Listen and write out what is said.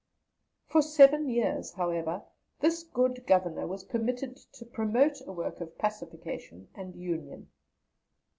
For seven years, however, this good Governor was permitted to promote a work of pacification and union.